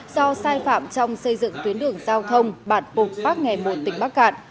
do sai phạm trong xây dựng tuyến đường giao thông bản bục bắc nghề một tỉnh bắc cạn